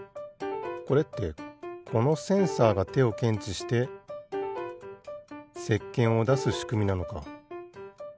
これってこのセンサーがてをけんちしてせっけんをだすしくみなのか。